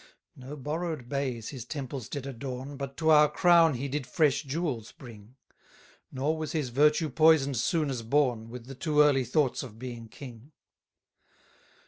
7 No borrow'd bays his temples did adorn, But to our crown he did fresh jewels bring; Nor was his virtue poison'd soon as born, With the too early thoughts of being king.